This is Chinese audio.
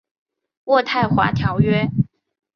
渥太华条约。